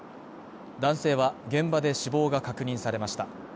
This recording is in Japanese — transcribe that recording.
男性は現場で死亡が確認されました。